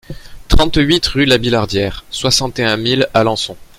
trente-huit rue Labillardière, soixante et un mille Alençon